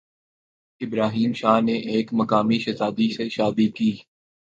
ابراہیم شاہ نے ایک مقامی شہزادی سے شادی کی